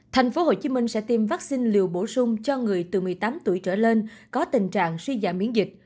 thành phố hồ chí minh sẽ tiêm vaccine liều bổ sung cho người từ một mươi tám tuổi trở lên có tình trạng suy giảm miễn dịch